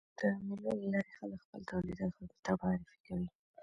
د مېلو له لاري خلک خپل تولیدات خلکو ته معرفي کوي.